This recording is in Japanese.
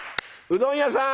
うどん屋さん！